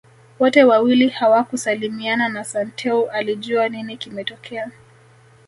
Wote wawili hawakusalimiana na Santeu alijua nini kimetokea